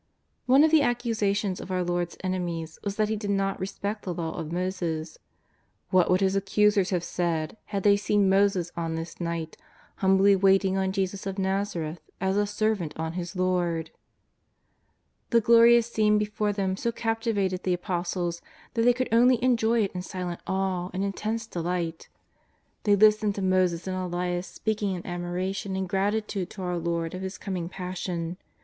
One of the ac cusations of our Lord's enemies was that He did not respect the Law of Moses. What would His accusers have said had they seen Moses on this night humbly waiting on Jesus of ITazareth as a servant on his lord ! The glorious scene before them so captivated the Apostles that they could only enjoy it in silent awe and intense delight. They listened to Moses and Elias speaking in admiration and gratitude to our Lord of His coming Passion.